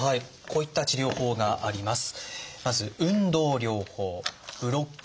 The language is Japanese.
こういった治療法があります。